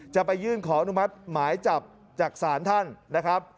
จะไปยื่นขออนุมัติหมายจับจากศาลท่านนะครับ